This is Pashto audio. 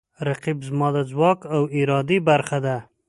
رقیب زما د ځواک او ارادې برخه ده